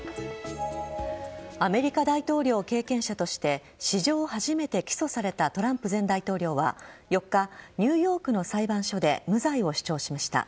アメリカ大統領経験者として史上初めて起訴されたトランプ前大統領は４日、ニューヨークの裁判所で無罪を主張しました。